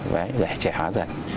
đấy trẻ hóa dần